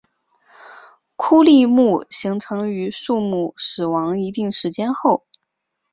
枯立木形成于树木死亡一定时间后。